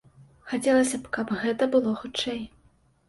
Хацелася б, каб гэта было хутчэй.